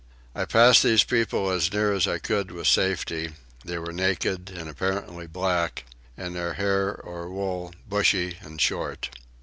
I passed these people as near as I could with safety: they were naked and apparently black, and their hair or wool bushy and short.